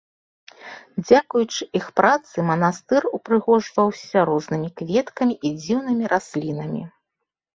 Дзякуючы іх працы манастыр упрыгожваўся разнымі кветкамі і дзіўнымі раслінамі.